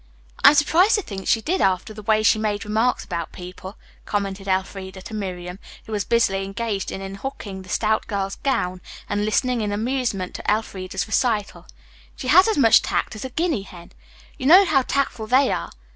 "I am surprised to think she did after the way she made remarks about people," commented Elfreda to Miriam, who was busily engaged in unhooking the stout girl's gown and listening in amusement to Elfreda's recital. "She has as much tact as a guinea hen. You know how tactful they are?"